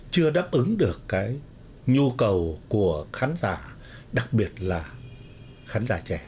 chưa đáp ứng được cái nhu cầu của khán giả đặc biệt là khán giả trẻ